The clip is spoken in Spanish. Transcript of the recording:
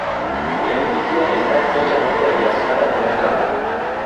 La industria está estrechamente relacionada con el campo.